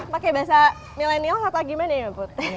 pake bahasa milenial atau gimana ya mbak put